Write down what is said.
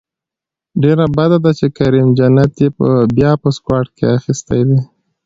ډیره بده ده چې کریم جنت یې بیا په سکواډ کې اخیستی دی